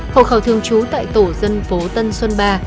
hộ khẩu thương chú tại tổ dân phố tân xuân ba